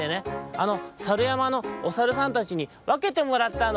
あのさるやまのおさるさんたちにわけてもらったの」。